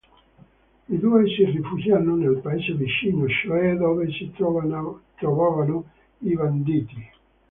I due si rifugiano nel paese vicino, cioè dove si trovavano i banditi.